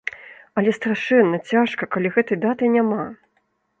Але страшэнна, цяжка, калі гэтай даты няма.